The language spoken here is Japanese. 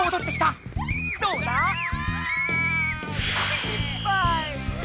しっぱい。